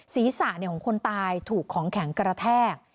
ศีรษะของคนตายถูกของแข็งกระแทก